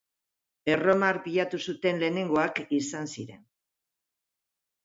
Erroma arpilatu zuten lehenengoak izan ziren.